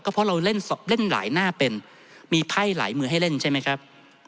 เพราะเราเล่นหลายหน้าเป็นมีไพ่หลายมือให้เล่นใช่ไหมครับ